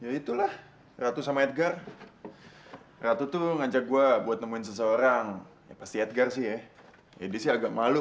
dia mau jalan sama lu